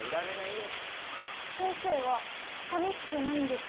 先生はさみしくないんですか？